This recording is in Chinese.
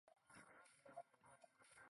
巴勒斯坦历史悠久。